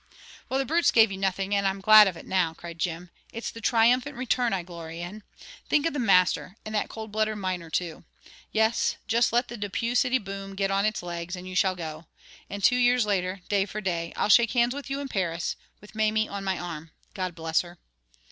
"Well, the brutes gave you nothing, and I'm glad of it now!" cried Jim. "It's the triumphant return I glory in! Think of the master, and that cold blooded Myner too! Yes, just let the Depew City boom get on its legs, and you shall go; and two years later, day for day, I'll shake hands with you in Paris, with Mamie on my arm, God bless her!"